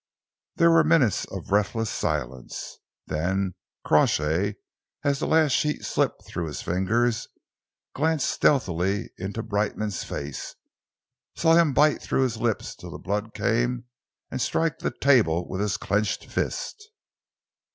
There were minutes of breathless silence. Then Crawshay, as the last sheet slipped through his fingers, glanced stealthily into Brightman's face, saw him bite through his lips till the blood came and strike the table with his clenched fist.